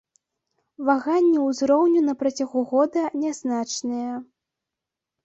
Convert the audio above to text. Ваганні ўзроўню на працягу года нязначныя.